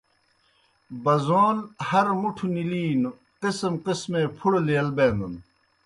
بَزَون ہر مُٹھوْ نِلِینوْ، قِسم قِسمے پُھڑہ لیل بینَن۔